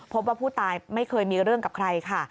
พบว่าผู้ตายไม่เคยมีเรื่องกับใครค่ะ